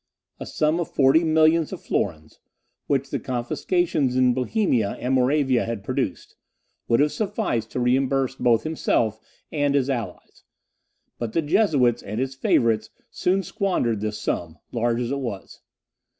A sum of forty millions of florins, which the confiscations in Bohemia and Moravia had produced, would have sufficed to reimburse both himself and his allies; but the Jesuits and his favourites soon squandered this sum, large as it was.